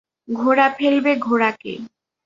ঘোড়া ফেলবে ঘোড়াকে।